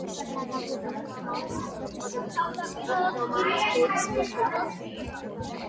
გადაღებულია ამავე სახელწოდების გოთიკური რომანის „ბერის“ მიხედვით.